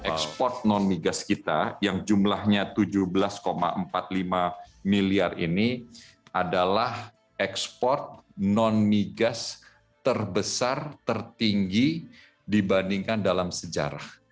ekspor non migas kita yang jumlahnya tujuh belas empat puluh lima miliar ini adalah ekspor non migas terbesar tertinggi dibandingkan dalam sejarah